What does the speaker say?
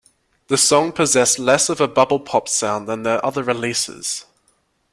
The song possessed less of a "bubble pop" sound than their other releases.